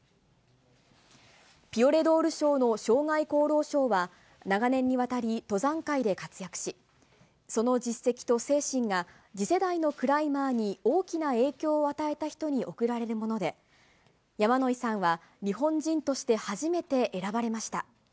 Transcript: ピオレドール賞の生涯功労賞は、長年にわたり、登山界で活躍し、その実績と精神が次世代のクライマーに大きな影響を与えた人に贈られるもので、山野井さんは日本人として初めて選ばれました。